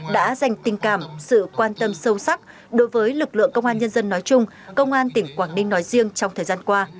đã dành tình cảm sự quan tâm sâu sắc đối với lực lượng công an nhân dân nói chung công an tỉnh quảng ninh nói riêng trong thời gian qua